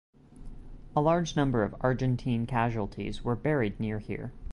A large number of Argentine casualties were buried near here.